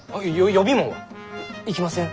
予備門は？行きません。